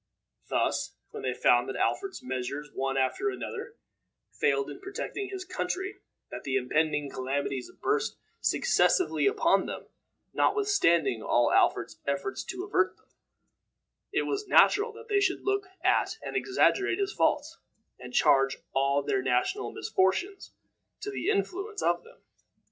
Thus, when they found that Alfred's measures, one after another, failed in protecting his country, that the impending calamities burst successively upon them, notwithstanding all Alfred's efforts to avert them, it was natural that they should look at and exaggerate his faults, and charge all their national misfortunes to the influence of them.